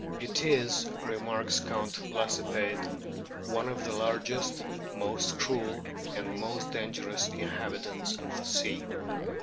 "It is," remarks Count Lacepede, "one of the largest, most cruel, and most dangerous inhabitants of the sea."